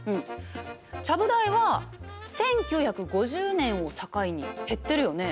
ちゃぶ台は１９５０年を境に減ってるよね。